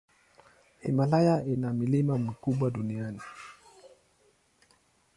Himalaya ina milima mikubwa duniani.